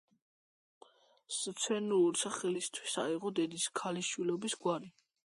სცენური სახელისთვის აიღო დედის ქალიშვილობის გვარი.